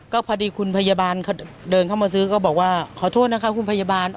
ก็พอดีคุณพยาบาลเดินเข้ามาซื้อก็บอกว่าขอโทษนะคะคุณพยาบาล